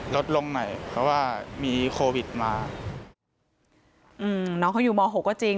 ลดลงหน่อยเพราะว่ามีโควิดมาอืมน้องเขาอยู่มหกก็จริง